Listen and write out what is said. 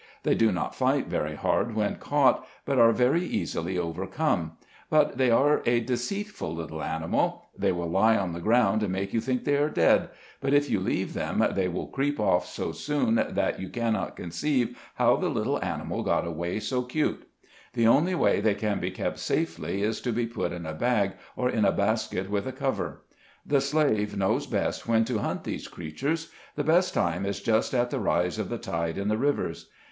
They do not fight very hard when caught, but are very easily overcome; but they are a deceitful little animal. They will lie on the ground, and make you think they are dead ; but if you leave them, they will creep off so soon, that SLAVES ON THE PLANTATION. 159 you cannot conceive how the little animal got away so cute. The only way they can be kept safely is to be put in a bag, or in a basket with a cover. The slave knows best when to hunt these creatures. The best time is just at the rise of the tide in the rivers.